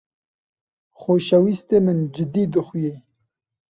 Xoşewîstê min cidî dixuye.